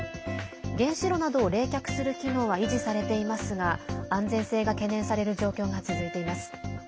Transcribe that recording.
原子炉などを冷却する機能は維持されていますが安全性が懸念される状況が続いています。